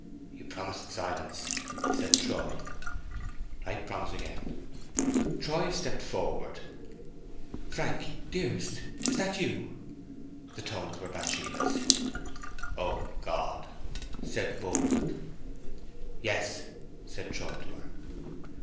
"You promised silence," said Troy. "I promise again." Troy stepped forward. "Frank, dearest, is that you?" The tones were Bathsheba's. "O God!" said Boldwood. "Yes," said Troy to her.